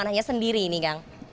karena hanya sendiri ini kang